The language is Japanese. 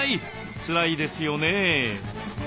つらいですよね。